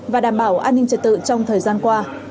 và đảm bảo an ninh trật tự trong thời gian qua